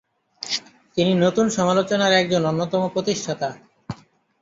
তিনি নতুন সমালোচনার একজন অন্যতম প্রতিষ্ঠাতা।